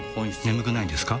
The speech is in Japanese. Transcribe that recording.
眠くないですか？